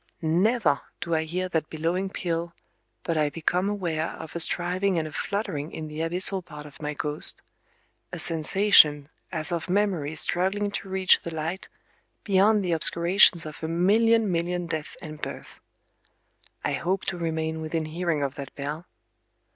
Never do I hear that billowing peal but I become aware of a striving and a fluttering in the abyssal part of my ghost,—a sensation as of memories struggling to reach the light beyond the obscurations of a million million deaths and births. I hope to remain within hearing of that bell...